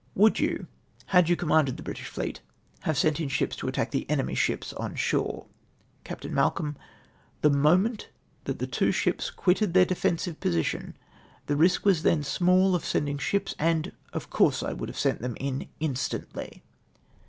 —" Would you, had you commanded the British fleet, have sent in ships to attack the enemy's ships on shore?'' Capt. Malcolm. —" The moment that the two ships quitted GO CONTEASTED WITH MR. STOKES'S EYIDEXCE their defensive position the risk was then small of sending ships, and, of couese, i would have sent them in in stantly."